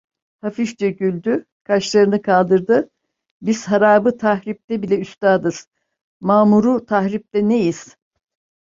Hafifçe güldü, kaşlarını kaldırdı: "Biz harabı tahripte bile üstadız, mamuru tahripte neyiz?"